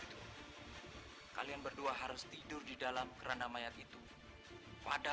ketika kita berdua kita tidak bisa menemukan keti